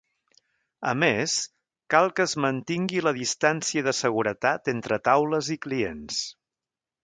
A més, cal que es mantingui la distància de seguretat entre taules i clients.